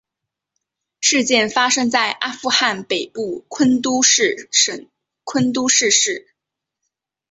事件发生在阿富汗北部昆都士省昆都士市。